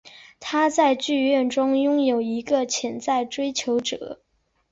她在剧中拥有一个潜在追求者。